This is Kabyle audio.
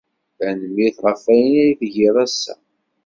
Tanemmirt ɣef wayen ay tgiḍ ass-a.